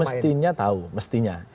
mestinya tahu mestinya